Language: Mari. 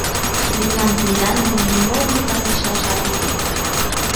Мемнан тендан дене нимо мутланышашат уке.